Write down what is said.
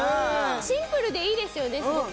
シンプルでいいですよねスゴく。